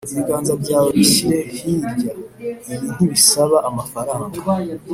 ibiganza byawe bishyire hirya ,ibi ntibisaba amafaranga,